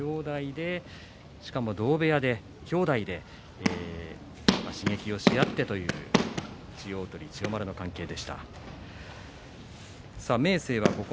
兄弟でしかも同部屋で刺激をし合ってという千代鳳、千代丸の関係でした。